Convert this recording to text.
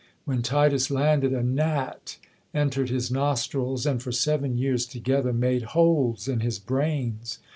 When Titus landed, a gnat entered his nostrils, and for seven years together made holes in his brains.